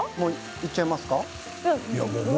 いっちゃいますか？